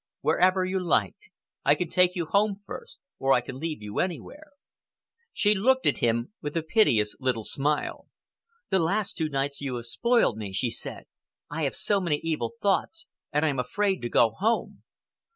"Wherever you like. I can take you home first, or I can leave you anywhere." She looked at him with a piteous little smile. "The last two nights you have spoiled me," she said. "I have so many evil thoughts and I am afraid to go home."